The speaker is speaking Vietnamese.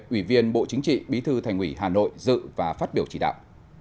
ủy viên bộ chính trị bí thư thành ủy hà nội dự và phát biểu chỉ đạo